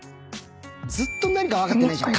ずっと何か分かってないじゃん。